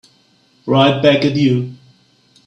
Right back at you.